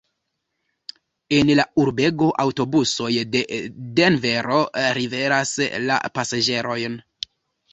En la urbego aŭtobusoj de Denvero liveras la pasaĝerojn.